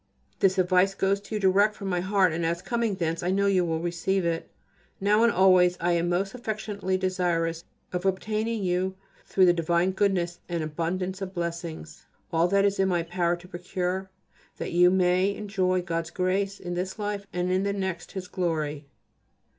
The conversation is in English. This advice goes to you direct from my heart, and as coming thence I know you will receive it. Now and always I am most affectionately desirous of obtaining for you through the divine Goodness an abundance of blessings, all that it is in my power to procure, that you may enjoy God's grace in this life and in the next His glory.